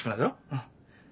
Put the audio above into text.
うん。